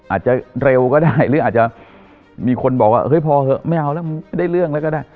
อาจจะเร็วก็ได้หรืออาจจะมีคนบอกว่าเฮ้ยพอเหอะไม่เอาแล้วไม่ได้เรื่องแล้วก็ได้